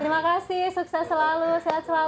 terima kasih sukses selalu sehat selalu